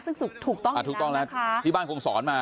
ซึ่งถูกต้องอยู่แล้วนะคะถูกต้องแล้วที่บ้านคงสอนมา